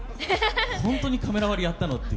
本当にカメラ割りやったの？